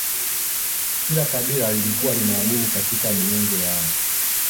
kila kabila lilikuwa linaamini katika miungu yao